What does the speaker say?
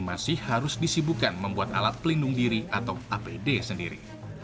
masih harus disibukan membuat alat pelindung diri atau apd sendiri